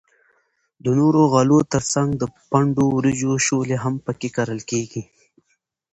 د نورو غلو تر څنگ د پنډو وریجو شولې هم پکښی کرل کیږي.